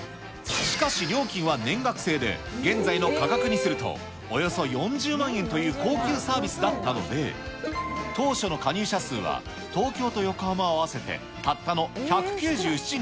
しかし料金は年額制で、現在の価格にすると、およそ４０万円という高級サービスだったので、当初の加入者数は、東京と横浜を合わせてたったの１９７人。